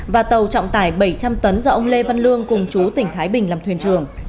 và tàu trọng tải bảy trăm linh tấn do ông lê văn lương cùng chú tỉnh thái bình làm thuyền trường